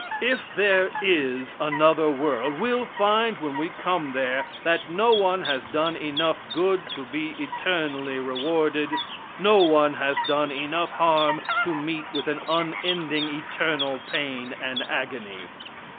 If there is another world we'll find when we come there that no one has done enough good to be eternally rewarded, no one has done enough harm to meet with an unending, eternal pain and agony.